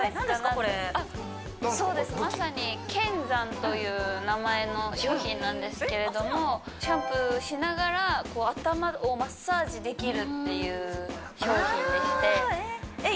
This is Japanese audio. これそうですまさになんですけれどもシャンプーしながら頭をマッサージできるっていう商品でしてえっ？